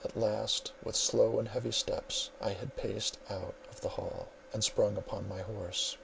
At last, with slow and heavy steps, I had paced out of the hall, and sprung upon my horse.